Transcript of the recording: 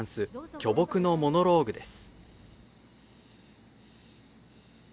「巨木のモノローグ」です。